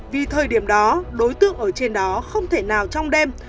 vì thời điểm đó đối tượng ở trên đó không thể nào trong đêm